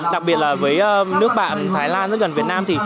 đặc biệt là với nước bạn thái lan rất gần việt nam thì